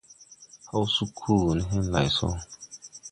Haw sug koo ne ne lay so.